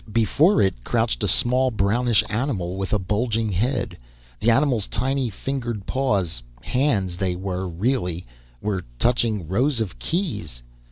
Before it crouched a small, brownish animal with a bulging head. The animal's tiny fingered paws hands they were, really were touching rows of keys.